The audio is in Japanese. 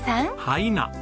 はいな。